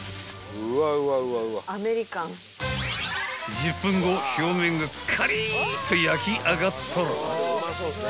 ［１０分後表面がカリッと焼き上がったら］